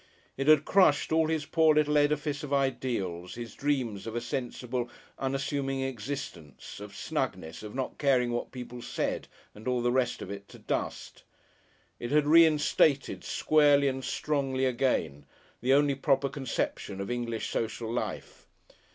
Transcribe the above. It had crushed all his poor little edifice of ideals, his dreams of a sensible, unassuming existence, of snugness, of not caring what people said and all the rest of it, to dust; it had reinstated, squarely and strongly again, the only proper conception of English social life.